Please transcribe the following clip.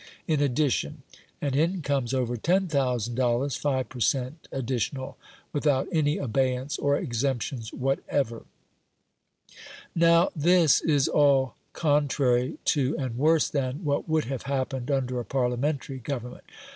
in addition; and incomes over $10,000 5 per cent. additional, without any abeyance or exemptions whatever." Now this is all contrary to and worse than what would have happened under a Parliamentary government.